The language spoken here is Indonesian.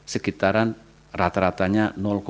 sekitaran rata ratanya dua puluh sembilan